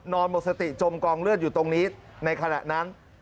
หมดสติจมกองเลือดอยู่ตรงนี้ในขณะนั้น